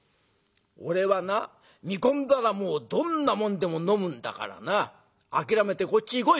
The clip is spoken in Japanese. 俺はな見込んだらもうどんなもんでも飲むんだからな諦めてこっちへ来い」。